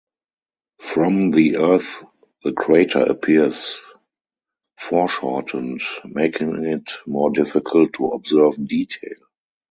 From the Earth the crater appears foreshortened, making it more difficult to observe detail.